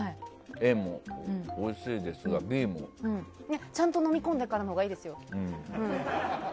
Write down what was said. Ａもおいしいですがちゃんと飲み込んでからのほうがいいですよ。